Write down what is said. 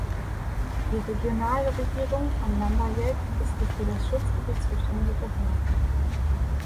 Die Regionalregierung von Lambayeque ist die für das Schutzgebiet zuständige Behörde.